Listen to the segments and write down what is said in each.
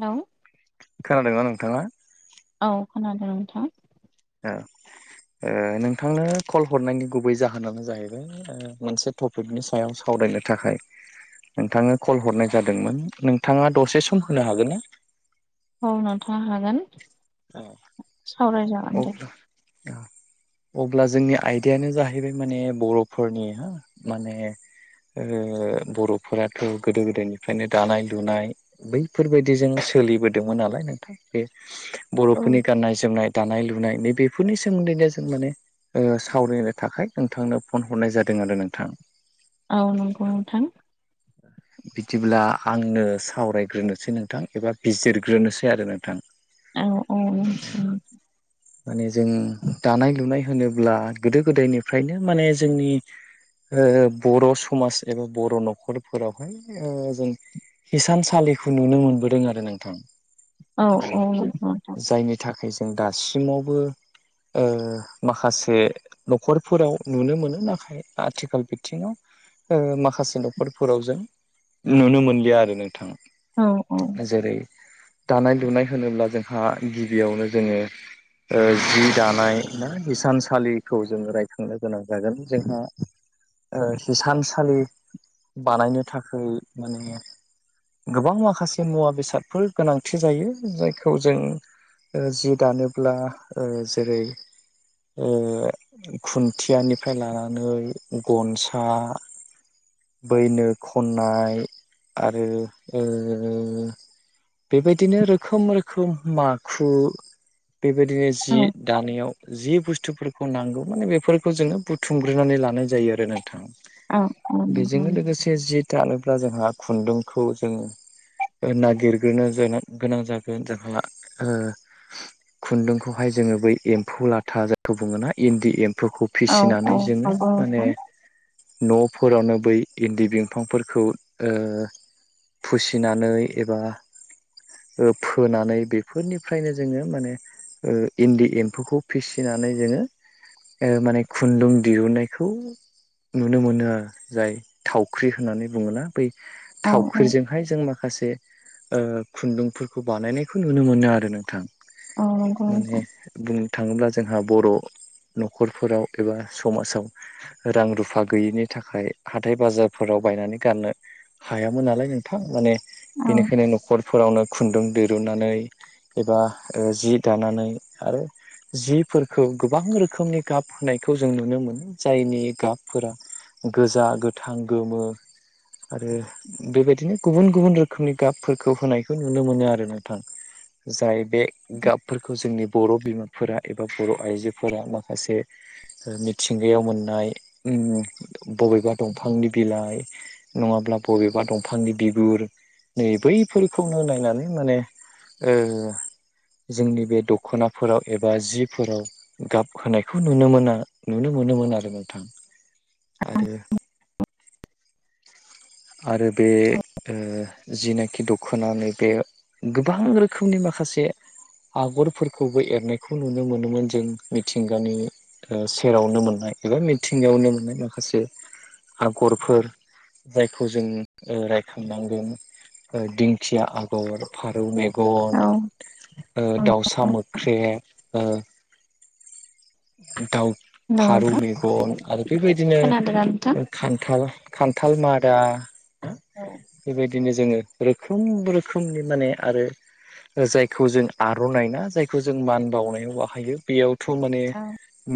नाव खोनादोंना नोंथाङा? औ खोनादों नोंथां। ओ। ओ नोंथांनो कल हरनायनि गुबै जाहोनानो जाहैबाय मोनसे टपिकनि सायाव सावराय बोनो थाखाय नोंथांनो कल हरनाय जादोंमोन नोंथाङा दसे सम होनो हागोन ना? औ नोंथां हागोन। अ सावरायजागोन दे। अब्ला अ अब्ला जोंनि आयदायानो जाहैबाय माने बर'फोरनि हो माने ओ बर'फोराथ' गोदो-गोदायनिफ्रायनो दानाय लुनाय बैफोरबायदिजों सोलिबोदोंमोन नालाय नोंथां बे औ बर'फोरनि गाननाय-जोमनाय दानाय-लु नाय बेफोरनि सोमोन्दै दा जों माने ओ सावरायनो थाखाय नोंथांनो फन हरनाय जादों आरो नोंथां औ नोंगौ नोंथां। बिदिब्ला आंनो सावरायग्रोनोसै नोंथां एबा बिजिरग्रोनोसै आरो नोंथां। औ औ [unintelligible] माने जों दानाय-लुनाय होनोब्ला गोदो-गोदायनिफ्रायनो माने जोंनि ओ बर' समाज एबा बर' न'खरफोरावहाय जों हिसानसालिखौ नुनो मोनबोदों आरो नोंथां। औ अ औ नंगौ नोंथां। जायनि थाखाय जों दासिमावबो ओ माखासे न'खरफोराव नुनो मोनो नाथाय आथिखाल बिथिङाव ओ माखासे न'खरफोराव जों नुनो मोनलिया आरो नोंथां औ औ जेरै दानाय लुनाय होनोब्ला जोंहा गिबियावनो जोङो ओ जि दानाय ना हिसानसालिखौ जोङो रायखांनो गोनां जागोन जोंहा ओ हिसानसालि बानायनो थाखाय माने गोबां माखासे मुवा बेसादफोर गोनांथि जायो जायखौ जों जि दानोब्ला ओ जेरै ओ खुन्थियानिफ्राय लानानै गनसा बैनो खन्नाय आरो ओ बेबायदिनो रोखोम रोखोम माखु बेबायदिनो औ जि दानायाव जि बुस स्थुफोरखौ नांगौ माने बेफोरखौ जोङो बुथुमग्रोनानै लानाय जायो आरो नोंथां। औ औ नंगौ बेजोंनो लोगोसे जि दानोब्ला जोंहा खुन्दुंखौ जों ओ नागिरग्रोनो जोनो गोनां जागोन जोंहा ओ खुन्दुंखौहाय जोङो बै एम्फौ लाथा जायखौ बुङोना इन्दि एम फौखौ औ फिसिनानै औ जोङो नंगौ माने नोंथां न'फोरावनो बै इन्दि बिफांफोरखौ ओ फुसिनानै एबा ओ फोनानै बेफोरनिफ्रायनो जोङो माने ओ इन्दि एम्फौखौ फिसिनानै जोङो ओ माने खुन्दुं दिहुननायखौ नुनो मोनो आ जाय थावख्रि होननानै बुङोना बै औ थावख्रिजोंहाय जों माखा खासे ओ खुन्दुंफोरखौ बानायनायखौ नुनो मोनो आरो नोंथां औ नंगौ माने नोंथां बुंनो थाङोब्ला जोंहा बर' न'खरफोराव एबा समाजाव रां रुफा गैयिनि थाखाय हाथाय बाजारफोराव बायनानै गाननो हायामोन नालाय नोंथां माने औ बेनिखायनो न'खरफोरावनो खुन्दुं दिरुनानै एबा ओ जि दानानै आरो जिफोरखौ गोबां रोखोमनि गाब होनायखौ जों नुनो मोनो जायनि गाबफोरा गोजा गोथां गोमो आरो बेबायदिनो गुबुन गुबुन रोखोमनि गाबफोरखौ होनायखौ नुनो मोनो आरो नोंथां जाय बे गाब फोरखौ जोंनि बर' बिमाफोरा एबा बर' आइजोफोरा माखासे ओ मिथिंगायाव मोननाय उम बबेबा दंफांनि बिलाइ नङाब ब्ला बबेबा दंफांनि बिगुर नै बैफोरखौनो नायनानै माने ओ जोंनि बे दख'नाफोराव एबा जिफोराव गाब होनायखौ नुनो मोना नुनो मोनोमोन आरो नोंथां आरो आरो बे ओ जिनाखि दखना नैबे गोबां रोखोमनि माखासे आगरफोरखौबो एरनायखौ नुनो मोनोमोन जों मिथिंगानि ओ सेरावनो मोननाय एबा मिथिंगायावनो मोननाय माखासे आगरफोर जायखौ जों ओ रायखांनांगोन ओ दिंखिया आगर फारौ मेग गन औ ओ दाउसा मोख्रेब ओ दाव हेलौ फारौ नोंथां मेगन आरो बेबायदिनो खोनादोंना नोंथां? ओ खान्थाल खान्थाल मादा औ दिनो जोङो रोखोम रोखोमनि माने आरो ओ जायखौ जों आर'नाइ ना जायखौ जों मान बावनायाव बाहायो बेयावथ' माने औ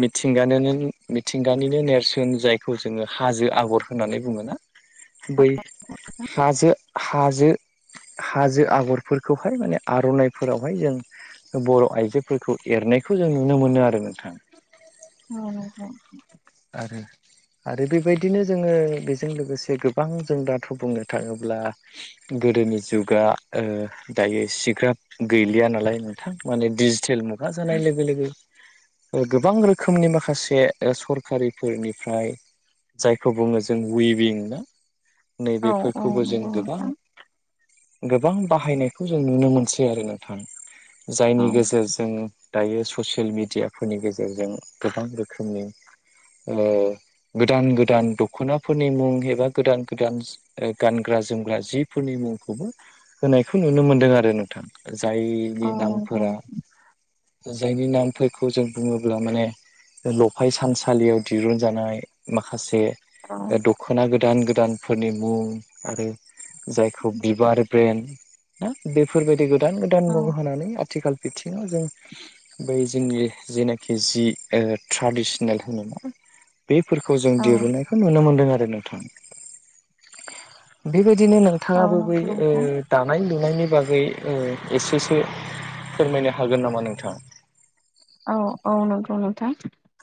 मि थिंगानोनोन मिथिंगानिनो नेरसोन जायखौ जोङो हाजो आगर होननानै बुङोना बै हाजो हाजो हाजो आगरफोरखौहाय माने आर'नाइफोराव हाय जों बर' आइजोफोरखौ एरनायखौ जों नुनो मोनो आरो नोंथां औ नंगौ नोंथां आरो आरो बेबायदिनो जोङो बेजों लोगोसे गोबां जों दाथ' बुंनो थाङोब्ला [inaudible] गोदोनि जुगा ओ दायो एसेग्राब गैलिया नालाय नोंथां माने डिजिथेल मुग गोबां रोखोमनि माखासे सरकारनि सरखारिफोरनिफ्राय जायखौ बुङो जों उइभिं ना औ नैबेफोरखौबो जों नंगौ गोबां नोंथां गोबां बाहायनायखौ जों नुनो मोनसै आरो नोंथां जायनि औ गेजेरजों दायो ससियेल मेडियाफोरनि गेजेरजों गोबां रोखोमनि गोदान गोदान दख'नाफोरनि मुं एबा गोदान गोदान गानग्रा जोमग्रा जिफोरनि मुं मुंखौबो होनायखौ नुनो मोनदों आरो नोंथां जायनि औ नंगौ नामफोरा जायनि नाम फोरखौ जों बुङोब्ला माने लफाय सानसालियाव दिरुनजानाय माखासे औ दख'ना गोदान गोदानफोरनि मुं आरो जायखौ बिबार ब्रेन ना बेफोरबायदि गोदान गोदान औ मुं होनानै आथिखालाव बिथिङाव जों बै जोंनि जेनाखि जि ट्रेडिसनेल बेफोरखौ जों दिरुननायखौ नुनो मोनदों आरो नोंथां, बेबादि बिदिनो औ नोंथाङाबो बै नंगौ ओ नोंथां दानाय लुनायनि बागै बै एसेसो फोरमायनो हागोन नामा नोंथाङा औ औ नंगौ नोंथां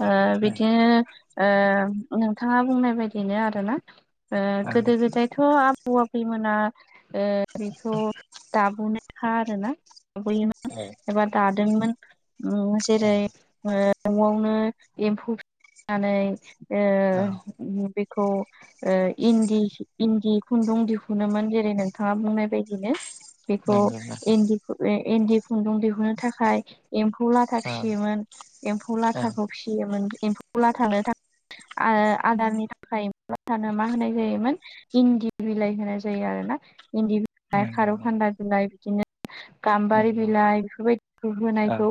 ओ बिदिनो ओ नोंथाङा बुंनाय बायदिनो आरो ना ओ गोदो गोदायथ' आ आबौ आबैमोना बेखौ दाबोनो ह आरो ना लाबोयोमोन एबा दादोंमोन ओ जेरै ओ न'आवनो एम्फौ फिनानै ओ बिखौ इन्दि इन्दि खुन्दुं दिहुनोमोन जेरै नोंथाङा बुंनाय बायदिनो बेखौ नंगौ नोंथां इन्दि इन्दि खुन्दुं दिहुनो थाखाय एम्फौ ला औ फिसियोमोन एम्फौ औ लाथाखौ फिसियोमोन एम्फौ लाथानो थाखाय आ आदारनि थाखाय मा होनाय जायोमोन इन्दि बिलाइ होनाय जायो आरो ना इन्दि बिलाइ खारौ नंगौ खान्दाय बिलाइ बिदिनो गाम्बारि बिलाइ बेफोरबायदिखौ होनायखौ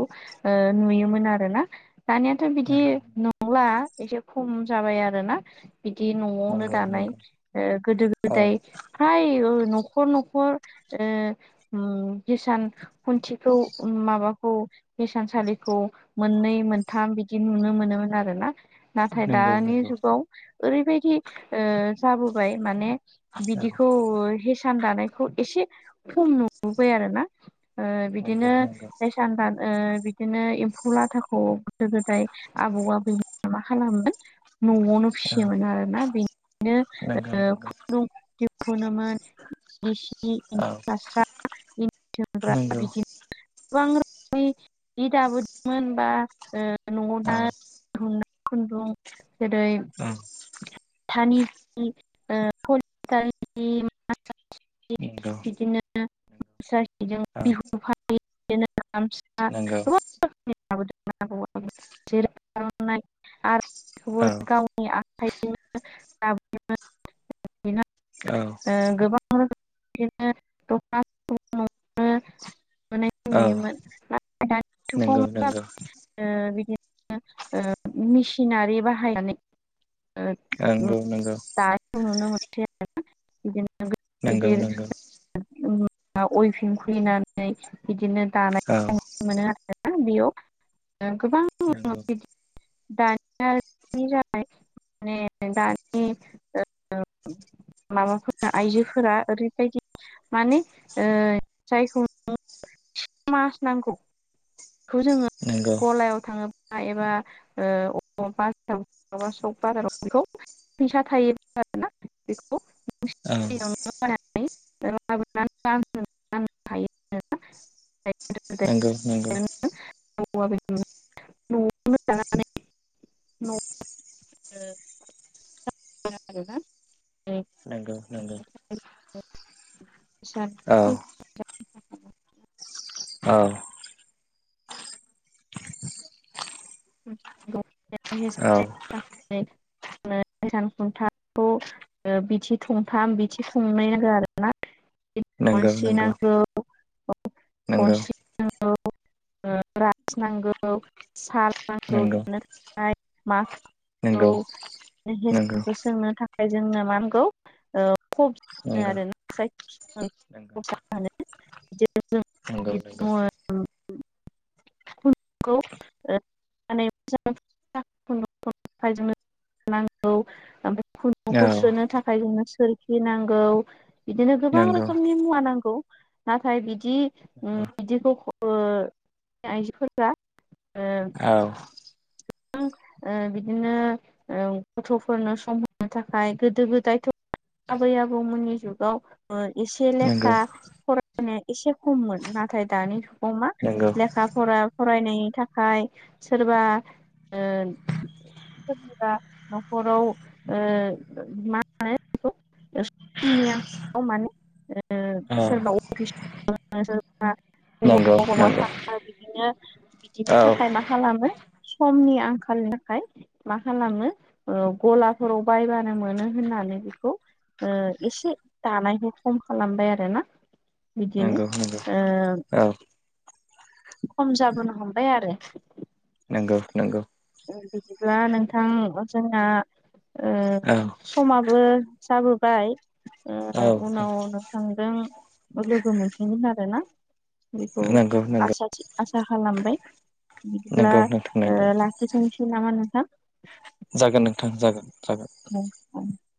नुयोमोन आरोना दानियाथ' बिदि नंला एसे खम जाबाय आरो ना बिदि न'आवनो दानाय नंगौ गोदो गोदाय औ फ्राय नखर-नखर ओ उम इसान खुनथिखौ माबाखौ इसानसालिखौ मोननै मोनथाम बिदि नुनो मोनोमोन आरोना नाथाय नंगौ नंगौ दानि जुगाव ओरैबायदि जाबोबाय माने औ बिदिखौ हिसान दानायखौ एसे खम नुबोबाय आरो ना ओ बिदिनो नंगौ नंगौ इसान दान एम्फौ लाथाखौ गोदो गोदाय आबौ आबैमोना मा खालामोमोन न'आवनो औ फिसियोमोन आरो ना बेनिनो नंगौ ओ नंगौ खन्दुं औ खनोोन्रा नंगौ बिदिनो [inaudible] नंगौ [unintelligible] गोबां रोखोमनि जि दाबोदोंमोन बा न'आव दा औ नंगौ औ खुन्दुं जेरै औ मातानि जि, कलसुतानि जि नंगौ औ बिदिनोिजों बिहु फालि बिदि [unintelligible] नंगौ गो आरो [unintelligible] बेखौबो औ गावनि आखाइजों [inaudible] ला औ बे गोबां [inaudible] दनानायखौ नुयोमोन औ [inaudible] दानि मा नंगौ नंगौ खालाम बिदिनो मेसिनारि बाहायनानै नंगौ नंगौ द मोनसे [inaudible] बिदिनो नंगौ गिदिर नंगौ [inaudible] ओ अयफिं खुलिनानै बिदिनो दा औ मोनो आरोना बेयाव ओ गोबां नंगौ बिदि दानिया मान दानि [unintelligible] माबाफोरा आइजोफोरा ओरैबायदि माने जायखौ म [unintelligible] नांगौ जोङो नंगौ बेखौ गलायाव थाङोब बा एबा' ओ अबावबाय सक बाजाराव बेखौ फैसा थायो [inaudible] नङा मोना [unintelligible] हायो [unintelligible] नोंगौ नोंगौ। न बे न'आवनो जानानै न [unintelligible] ा [unintelligible] नोंगौ नोंगौ। [unintelligible] औ [unintelligible] औ सान खुन्थाखौ बिथि थंथाम बिथि थंनै हो आरोना। नंगौ खनस्रि नंगौ नांगौ नंगौ खनस्रि नांगौ [unintelligible] नांगौ साल [unintelligible] ओमफ्राय नंगौ नंगौ नंगौ जोंनो मा होनगौ खबानो नंगौ नंगौ औ नंगौ आरो औ नाय [unintelligible] जे नोंगौ नोंगौ। [unintelligible] [unintelligible] नांगौ ओमफ्राय खुन्दुंखौ नंगौ सोनो थाखाय जोंनो सोरखि नांगौ। बिदिनो गोबां नंगौ रोखोमनि मुवा नांगौ। नाथाय बिदि ओम बिदिखौ ओ आइजोफोरा ओ औ ओ बिदिनो ओ गथ'फोरनो सम होनो थाखाय गोदोबो दायथ' आबै-आबौमोननि जुगाव एसे नंगौ लेखा फरायनाया एसे खममोन। नाथाय दानि समा नंगौ लेखा-फरा फरायनायनि थाखाय सोरबा ओ न'खराव मा मो बेखौ [unintelligible] आंनि [unintelligible] माने औ सोरबा अफिस सोरबा [unintelligible] नंगौ नंगौ बबावबा बबावबा औ थाङो बिदिनो बिदिनि औ थाखाय मा खालामो समनि आंखालनि थाखाय मा खालामो ओ गलाफोराव बायबानो मोनो होननानै बेखौ ओ एसे दानायखौ खम खालामबाय आरोना। बिदिनो ओ खम जाबोनो हमबाय आरो। नंगौ नंगौ। बिदिब्ला नोंथां जोंना ओ समाबो जाबोबा बाय ओ‌ उनाव नोंथांजों लोगो मोनफिनगोन आरोना। बेखौ नंगौ नंगौ आसा थि आसा खालामबाय बिदिब्ला नंगौ नोंथां ओ नंगौ ला खिनोसै नामा नोंथां? जागोन नोंथां जागोन। जागोन [unintelligible]